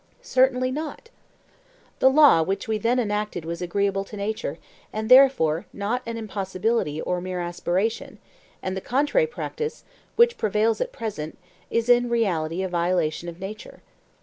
Certainly not. The law which we then enacted was agreeable to nature, and therefore not an impossibility or mere aspiration; and the contrary practice, which prevails at present, is in reality a violation of nature.